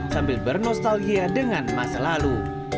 sambil bernostalgia dengan masa lalu